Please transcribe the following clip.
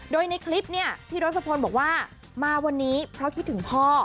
โดยในคลิปเนี่ยพี่รศพลบอกว่ามาวันนี้เพราะคิดถึงพ่อ